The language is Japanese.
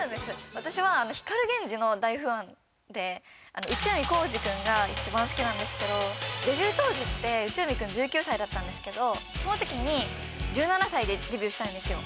私は光ＧＥＮＪＩの大ファンで内海光司くんが一番好きなんですけどデビュー当時って内海くん１９歳だったんですけどその時に１７歳でデビューしたんですよ